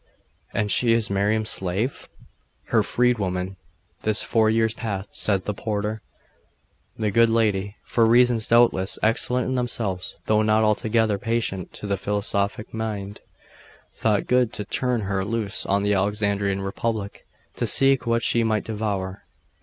'And she is Miriam's slave?' 'Her freedwoman this four years past,' said the porter. 'The good lady for reasons doubtless excellent in themselves, though not altogether patent to the philosophic mind thought good to turn her loose on the Alexandrian republic, to seek what she might devour.